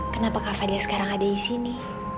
kenapa kak fadil sekarang ada disini